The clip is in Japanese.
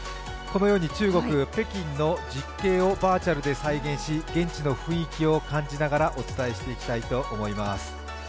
このように中国・北京の実況をバーチャルで再現し現地の雰囲気を感じながらお伝えしていきたいと思います。